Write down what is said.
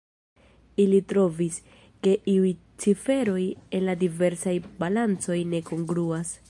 Ili trovis, ke iuj ciferoj en la diversaj bilancoj ne kongruas.